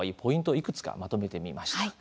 いくつかまとめてみました。